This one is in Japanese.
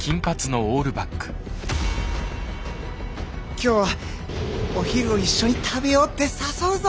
今日はお昼を一緒に食べようって誘うぞ。